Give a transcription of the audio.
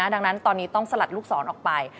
ดังนั้นตอนนี้ต้องสลัดลูกศรออกไป